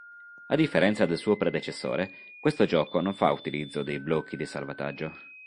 A differenza del suo predecessore, questo gioco non fa utilizzo dei blocchi di salvataggio.